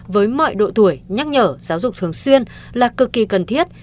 với mọi độ tuổi nhắc nhở giáo dục thường xuyên là cực kỳ cần thiết